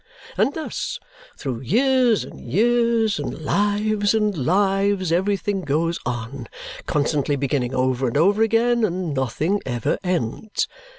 And thus, through years and years, and lives and lives, everything goes on, constantly beginning over and over again, and nothing ever ends.